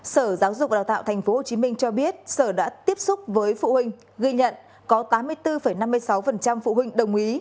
sở giáo dục đào tạo tp hcm cho biết sở đã tiếp xúc với phụ huynh ghi nhận có tám mươi bốn năm mươi sáu phụ huynh đồng ý